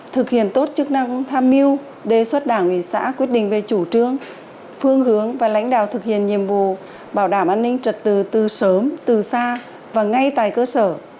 thực hiện tốt chức năng tham mưu đề xuất đảng ủy xã quyết định về chủ trương phương hướng và lãnh đạo thực hiện nhiệm vụ bảo đảm an ninh trật tự từ sớm từ xa và ngay tại cơ sở